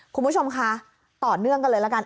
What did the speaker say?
คุณผู้ชมคะต่อเนื่องกันเลยละกัน